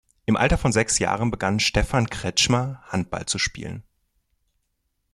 Im Alter von sechs Jahren begann Stefan Kretzschmar Handball zu spielen.